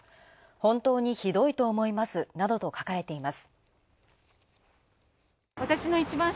本当にひどいと思いますなどと書かれています。